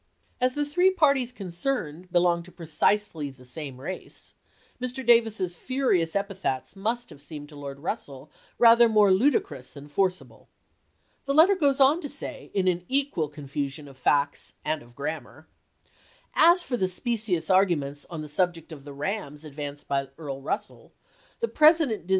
As the three parties concerned belong to precisely the same race, Mr. Davis's furious epithets must have seemed to Lord Russell rather more ludicrous than forcible. The letter goes on to say in an equal confusion of facts and of gi^ammar :" As for the specious arguments on the subject of the rams advanced by Earl Russell, the President desires 264 ABEAHAM LINCOLN /" Annual 1864, p.